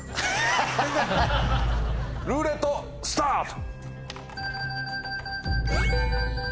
ルーレットスタート！